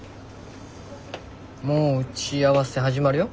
もう打ち合わせ始まるよ。